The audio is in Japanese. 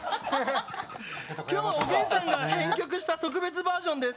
今日はおげんさんが編曲した特別バージョンです。